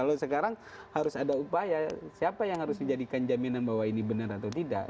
kalau sekarang harus ada upaya siapa yang harus menjadikan jaminan bahwa ini benar atau tidak